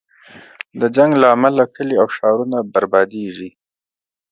د جنګ له امله کلی او ښارونه بربادېږي.